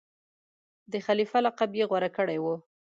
د خلیفه لقب یې غوره کړی وو.